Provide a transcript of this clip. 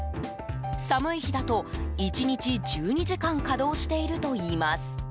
寒い日だと、１日１２時間稼働しているといいます。